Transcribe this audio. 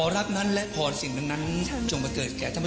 รักน้อยแต่ต้องหัวสักนะครับ